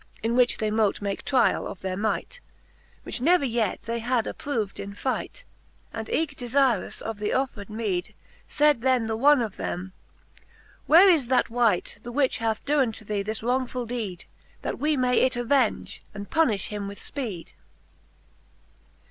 In which they mote make triall of their might, Whidh never yet they had approv'd in fight ; And eke defirous of the offred meed : Said then the one of them : Where is that wight. The which hath doen to thee this wrongfuU deed. That we may it avenge, and punifli him with fpeed